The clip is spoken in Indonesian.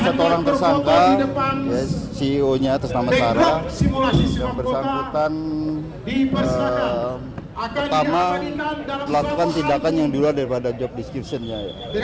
saya orang tersangka ceo nya atas nama sara yang bersangkutan pertama lakukan tindakan yang dilakukan daripada job description nya